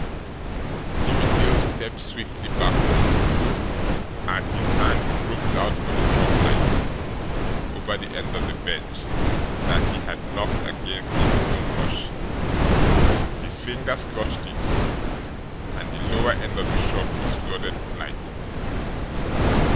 Jimmie Dale stepped swiftly backward, and his hand groped out for the droplight, over the end of the bench, that he had knocked against in his own rush. His fingers clutched it and the lower end of the shop was flooded with light.